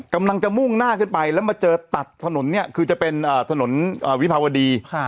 กำลังจะมุ่งหน้าขึ้นไปแล้วมาเจอตัดถนนเนี่ยคือจะเป็นถนนวิภาวดี